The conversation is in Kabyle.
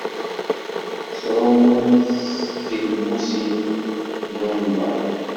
Ttɛumun s tgelmusin n unḍab.